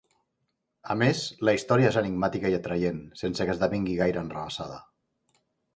A més, la història és enigmàtica i atraient, sense que esdevingui gaire enrevessada.